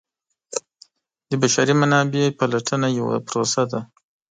د بشري منابعو پلټنه یوه پروسه ده.